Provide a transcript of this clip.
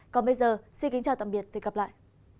còn bây giờ xin kính chào tạm biệt và hẹn gặp lại